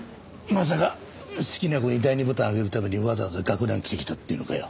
まさか好きな子に第２ボタンあげるためにわざわざ学ラン着てきたっていうのかよ？